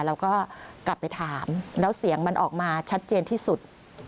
แล้วก็กลับไปถามแล้วเสียงมันออกมาชัดเจนที่สุด